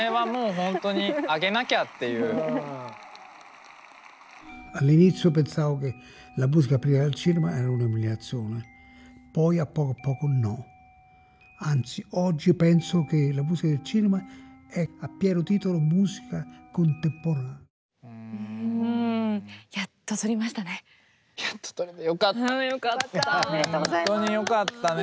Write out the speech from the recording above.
本当によかったね。